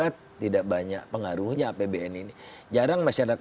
tidak banyak pengaruhnya